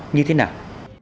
như thế nào